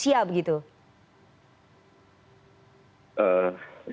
jadi apa yang terjadi sekarang